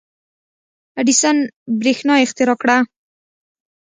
• اډیسن برېښنا اختراع کړه.